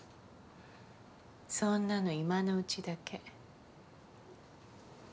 そんなの今のうちだけ。